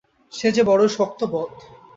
সে যে বড়ো শক্ত পথ।